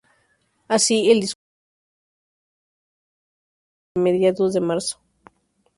Así, el discurso fue conocido en los países capitalistas desde mediados de marzo.